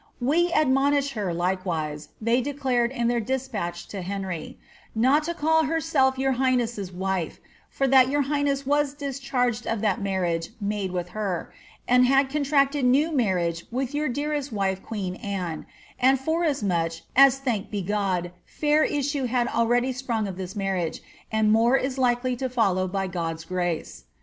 ^^ We admonished her, likewise," they de clared in their despatch to Henry, ^^ not to call herself your highness' fckfi for that your highness was discharged of that marriage made with her, and had contracted new marriage with your dearest wief queen Anae, and forasmnch (as thanked be uod) fair issue has already sprung of this flMurriage, and more is likely to follow by God's grace."